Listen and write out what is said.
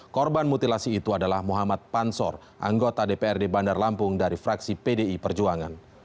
korban mutilasi itu adalah muhammad pansor anggota dprd bandar lampung dari fraksi pdi perjuangan